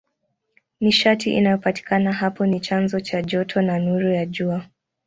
Nishati inayopatikana hapo ni chanzo cha joto na nuru ya Jua.